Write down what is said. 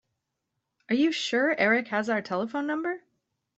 Are you sure Erik has our telephone number?